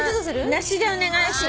「梨」でお願いします。